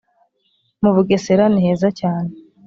mubugesera ni heza cyane